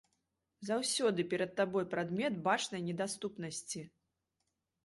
Заўсёды перад табой прадмет бачнай недаступнасці!